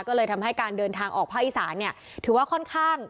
ก็เลยทำให้การเดินทางออกภาคอีสานเนี่ยถือว่าค่อนข้าง